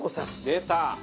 出た！